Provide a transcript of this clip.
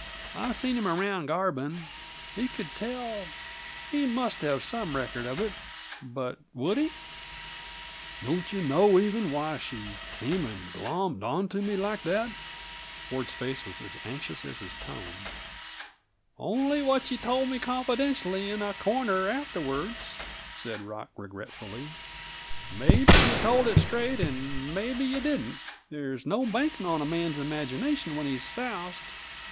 I've seen him around Garbin. He could tell he must have some record of it; but would he?" "Don't you know, even, why she came and glommed onto me like that?" Ford's face was as anxious as his tone. "Only what you told me, confidentially, in a corner afterwards," said Rock regretfully. "Maybe you told it straight, and maybe you didn't; there's no banking on a man's imagination when he's soused.